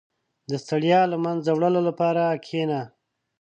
• د ستړیا له منځه وړلو لپاره کښېنه.